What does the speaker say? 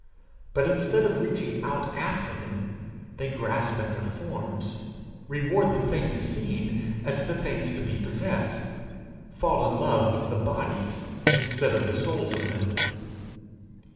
But instead of reaching out after them, they grasp at their forms, reward the things seen as the things to be possessed, fall in love with the bodies instead of the souls of them.